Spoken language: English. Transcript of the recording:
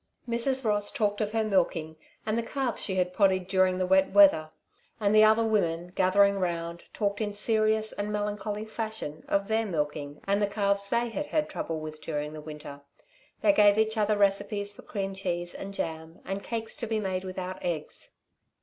Mrs. Ross talked of her milking, and the calves she had poddied during the wet weather; and the other women, gathering round, talked in serious and melancholy fashion of their milking and the calves they had had trouble with during the winter. They gave each other recipes for cream cheese, and jam, and cakes to be made without eggs.